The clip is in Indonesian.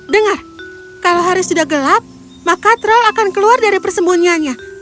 dengar kalau hari sudah gelap maka troll akan keluar dari persembunyiannya